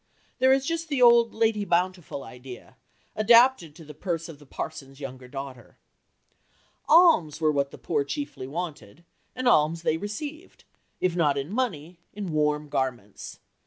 There is just the old "Lady Bountiful" idea, adapted to the purse of the parson's younger daughter. Alms were what the poor chiefly wanted, and alms they received if not in money, in warm garments.